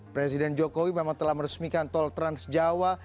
presiden jokowi memang telah meresmikan tol transjawa